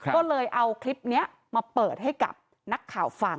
ก็เลยเอาคลิปนี้มาเปิดให้กับนักข่าวฟัง